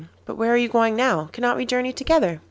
'But where are you going now? Cannot we journey together?